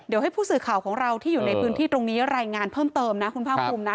เดี๋ยวให้ผู้สื่อข่าวของเราที่อยู่ในพื้นที่ตรงนี้รายงานเพิ่มเติมนะคุณภาคภูมินะ